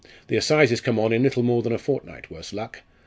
The assizes come on in little more than a fortnight, worse luck!